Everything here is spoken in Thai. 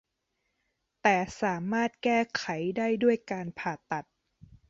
แต่สามารถแก้ไขได้ด้วยการผ่าตัด